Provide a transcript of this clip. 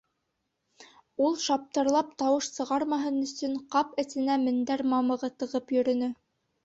Ул шаптырлап тауыш сығармаһын өсөн, ҡап эсенә мендәр мамығы тығып йөрөнө.